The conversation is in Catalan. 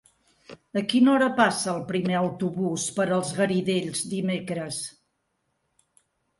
A quina hora passa el primer autobús per els Garidells dimecres?